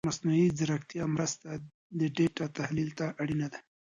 د مصنوعي ځیرکتیا مرسته د ډېټا تحلیل ته اړینه ده.